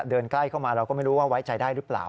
เดินใกล้เข้ามาเราก็ไม่รู้ว่าไว้ใจได้หรือเปล่า